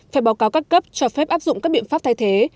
phải báo cáo các cấp cho phép áp dụng các biện pháp thay thế